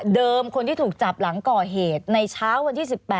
คนที่ถูกจับหลังก่อเหตุในเช้าวันที่๑๘